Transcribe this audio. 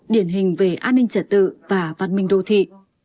điển hình về an ninh trật tự và văn minh đô thị